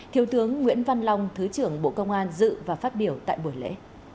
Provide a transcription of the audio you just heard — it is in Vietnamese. thiếu tướng nguyễn văn long thứ trưởng bộ công an dự và phát biểu tại buổi lễ